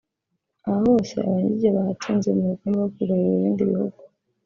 Aha hose Abanyiginya bahatsinze mu rugamba rwo kwigarurira ibindi bihugu